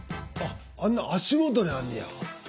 あんな足元にあんねや。